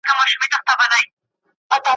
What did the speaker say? پر ځنګله یې کړل خپاره خپل وزرونه ,